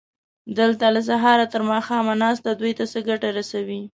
دلته له سهاره تر ماښامه ناسته دوی ته څه ګټه رسوي؟